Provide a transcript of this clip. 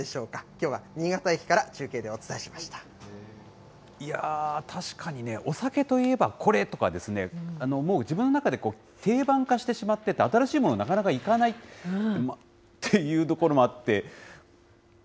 きょうは新潟駅から中継でお伝えいやー、確かにね、お酒といえばこれとかですね、もう自分の中で定番化してしまってて新しいもの、なかなかいかないっていうところもあって。